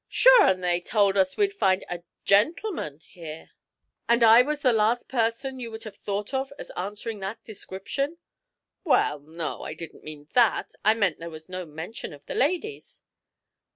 "Sure, and they told us we'd find a gentleman here." "And I was the last person you would have thought of as answering that description?" "Well, no, I didn't mean that. I meant there was no mention of the ladies."